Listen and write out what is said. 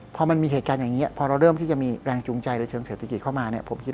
พอมันมีเหตุการณ์อย่างนี้พอเราเริ่มที่จะมีแรงจูงใจในเชิงเศรษฐกิจเข้ามาเนี่ยผมคิด